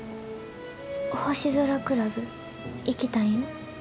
星空クラブ、行きたいん？